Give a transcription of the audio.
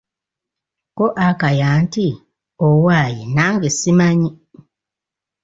Ko Akaya nti:"owaye nange simanyi'